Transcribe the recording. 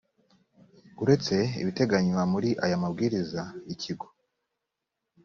uretse ibiteganywa muri aya mabwiriza ikigo